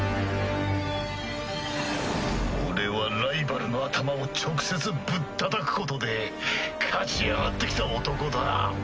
俺はライバルの頭を直接ぶったたくことで勝ち上がってきた男だ。